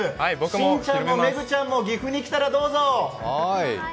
しんちゃんもめぐちゃんも岐阜に来たらどうぞ。